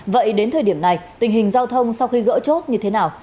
vậy đến thời điểm này tình hình giao thông sau khi gỡ chốt như thế nào